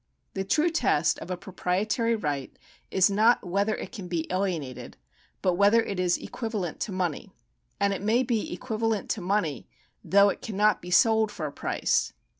The true test of a proprietary right is not whether it can be alienated, but whether it is equivalent to money ; and it may be equivalent to money, though it cannot be sold for a price.